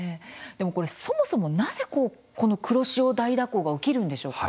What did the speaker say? でもこれ、そもそもなぜこの黒潮大蛇行が起きるんでしょうか。